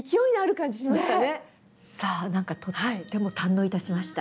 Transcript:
さあ何かとっても堪能いたしました。